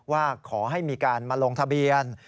ว่าขอให้มีการมาลงทะเบียน